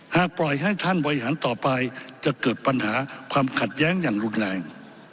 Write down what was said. หากปล่อยให้ท่านบริหารต่อไปจะเกิดปัญหาความขัดแย้งอย่างรุนแรง